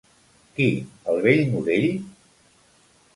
Qui, el vell Morell?